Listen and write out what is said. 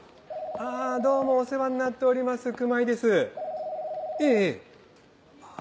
あぁどうもお世話になっております熊井です。ええあぁそうですか。